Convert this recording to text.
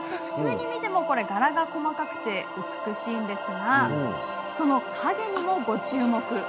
普通に見ても柄が細かく美しいんですがその影にもご注目。